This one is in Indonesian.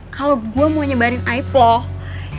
kalau gue mau nyebarin iplove